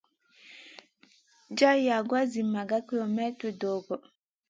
Jar yagoua zi maga kilemètre dogo.